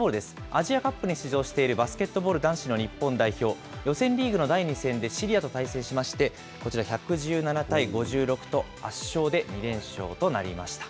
アジアカップに出場しているバスケットボール男子の日本代表、予選リーグの第２戦でシリアと対戦しまして、こちら１１７対５６と圧勝で２連勝となりました。